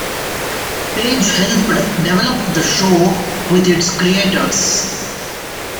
Page helped develop the show with its creators.